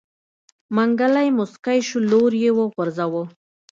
منګلی موسکی شو لور يې وغورځوه.